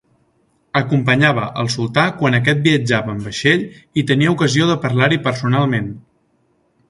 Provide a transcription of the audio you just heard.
Acompanyava al sultà quan aquest viatjava en vaixell i tenia ocasió de parlar-hi personalment.